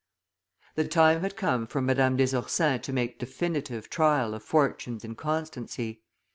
The time had come for Madame des Ursins to make definitive trial of Fortune's inconstancy.